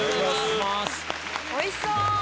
おいしそう！